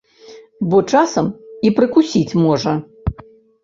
Бо часам і прыкусіць можа.